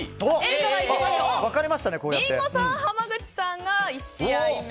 リンゴさん、濱口さんが１試合目。